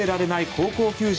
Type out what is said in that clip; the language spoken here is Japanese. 高校球児